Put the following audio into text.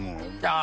あ